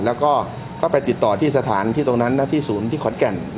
แล้วก็ไปติดต่อที่สถานที่ตรงนั้นนะที่ศูนย์ที่ขอนแก่น